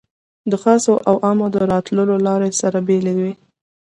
د خاصو او عامو د راتلو لارې سره بېلې وې.